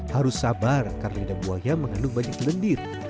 harus sabar karena lidah buaya mengandung banyak lendir